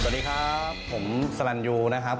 สวัสดีครับผมสลันยูนะครับ